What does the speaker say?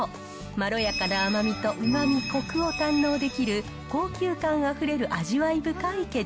まろやかな甘みとうまみ、こくを堪能できる高級感あふれる味わい